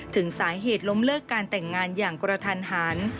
ถึงสาเหตุล้มเลิกการแต่งงานอย่างกระทันหัน